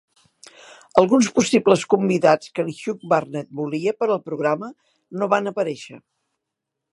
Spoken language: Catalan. Alguns possibles convidats que en Hugh Burnett volia per al programa no van aparèixer.